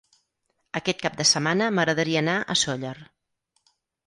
Aquest cap de setmana m'agradaria anar a Sóller.